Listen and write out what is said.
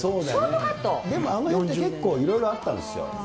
でもあのへんって、いろいろあったんですよ。